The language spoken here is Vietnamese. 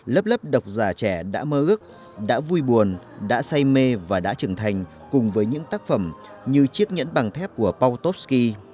lớp lớp độc giả trẻ đã mơ ước đã vui buồn đã say mê và đã trưởng thành cùng với những tác phẩm như chiếc nhẫn bằng thép của pautovsky